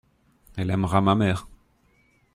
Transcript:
Elle aimera ma mère.